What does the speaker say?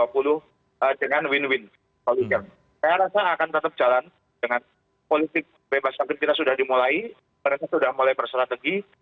pernahkah sudah mulai bersrategi